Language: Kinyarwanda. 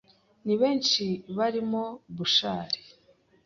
Ni benshi harimo Bushali,